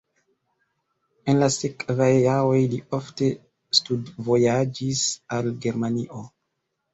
En la sekvaj jaroj li ofte studvojaĝis al Germanio.